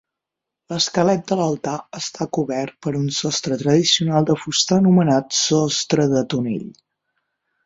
L'esquelet de l'altar està cover per un sostre tradicional de fusta anomenat sostre de tonell.